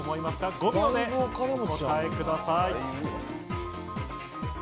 ５秒でお答えください。